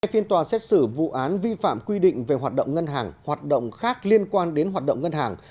tại phiên tòa xét xử vụ án vi phạm quy định về hoạt động ngân hàng hoạt động khác liên quan đến hoạt động ngân hàng